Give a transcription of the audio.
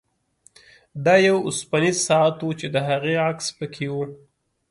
دا یو اوسپنیز ساعت و چې د هغې عکس پکې و